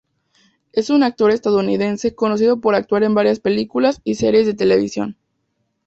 Es un actor estadounidense, conocido por actuar en varias películas y series de televisión.